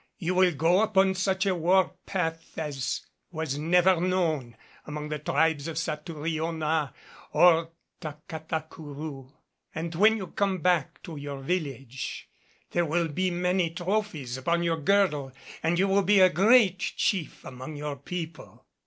You will go upon such a warpath as was never known among the tribes of Satouriona or Tacatacourou; and when you come back to your village there will be many trophies upon your girdle and you will be a great chief among your people."